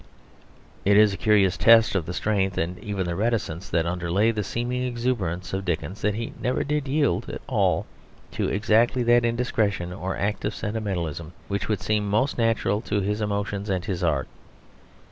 It is a curious test of the strength and even reticence that underlay the seeming exuberance of Dickens, that he never did yield at all to exactly that indiscretion or act of sentimentalism which would seem most natural to his emotions and his art.